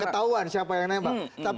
ketahuan siapa yang nembak